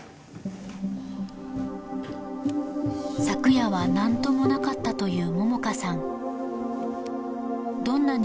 昨夜は何ともなかったという萌々花さん